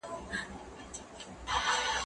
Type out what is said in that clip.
درسونه د ښوونکو له خوا ښوول کيږي!.